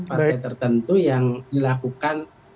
partai tertentu yang dilakukan